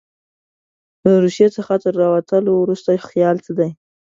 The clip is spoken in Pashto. له روسیې څخه تر راوتلو وروسته خیال څه دی.